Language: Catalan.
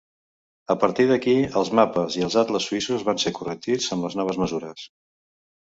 A partir d'aquí els mapes i atles suïssos van ser corregits amb les noves mesures.